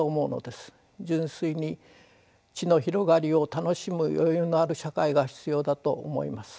純粋に知の広がりを楽しむ余裕のある社会が必要だと思います。